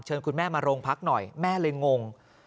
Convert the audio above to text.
คุณแม่มาโรงพักหน่อยแม่เลยงง